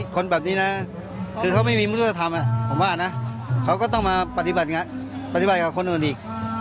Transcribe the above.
ทำแบบว่าให้อภัยกันไม่ได้เลยทำแบบนี้